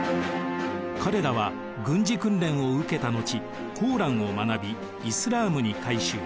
彼らは軍事訓練を受けた後「コーラン」を学びイスラームに改宗。